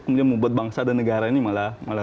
kemudian membuat bangsa dan negara ini malah